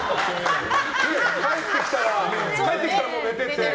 帰ってきたらもう寝てて。